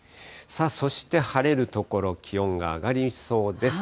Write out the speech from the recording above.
そして、晴れる所、気温が上がりそうです。